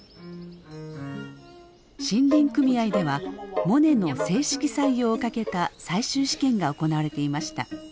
森林組合ではモネの正式採用をかけた最終試験が行われていました。